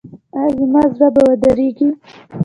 ایا زما زړه به ودریږي؟